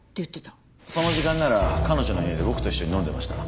その時間なら彼女の家で僕と一緒に飲んでました。